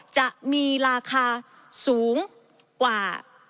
จะมีราคาสูงกว่า